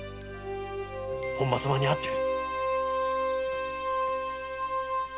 本間様に会ってくる。